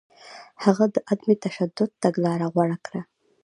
هغه د عدم تشدد تګلاره غوره کړه.